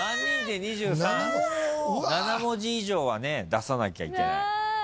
７文字以上は出さなきゃいけない。